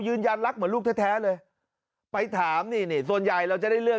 ยืนยันรักเหมือนลูกแท้เลยไปถามนี่นี่ส่วนใหญ่เราจะได้เลือก